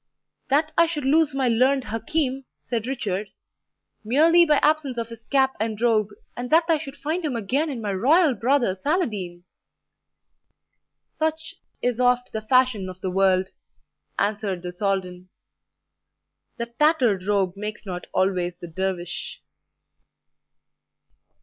"That I should lose my learned Hakim," said Richard, "merely by absence of his cap and robe, and that I should find him again in my royal brother Saladin!" "Such is oft the fashion of the world," answered the Soldan: "the tattered robe makes not always the dervish."